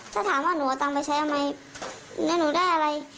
ถ้าถามว่าหนูเอาตังค์ไปใช้ทำไมแล้วหนูได้อะไร